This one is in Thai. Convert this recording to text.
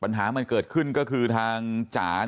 ปัญหามันเกิดขึ้นก็คือทางจ๋า